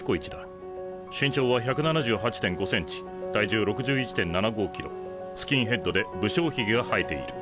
身長は１７８．５センチ体重６１．７５キロスキンヘッドで不精ひげが生えている。